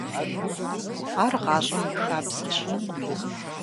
Ар гъащӏэм и хабзэщ.